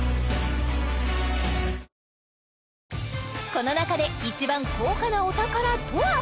この中で一番高価なお宝とは？